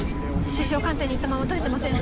首相官邸に行ったまま取れてません。